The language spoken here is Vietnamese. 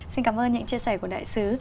xin cảm ơn những chia sẻ của đại sứ